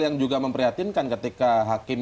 yang juga memprihatinkan ketika hakim